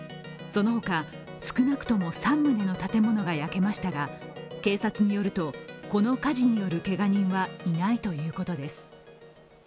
その他、少なくとも３棟の建物が焼けましたが警察によると、この火事によるけが人はいないということです。